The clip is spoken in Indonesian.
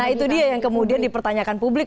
nah itu dia yang kemudian dipertanyakan publik